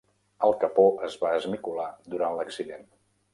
El capó es va esmicolar durant l'accident.